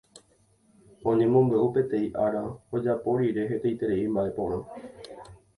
Oñemombe'u peteĩ ára ojapo rire hetaiterei mba'e porã